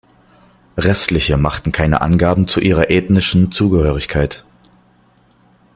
Restliche machten keine Angaben zu ihrer ethnischen Zugehörigkeit.